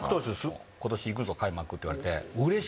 「今年いくぞ開幕」って言われて。